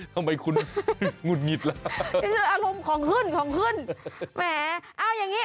ทำไมคุณหงุดหงิดล่ะไปเจออารมณ์ของขึ้นของขึ้นแหมเอาอย่างงี้